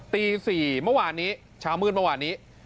ตี๔เมื่อวานนี้เช้ามืดเมื่อวานนี้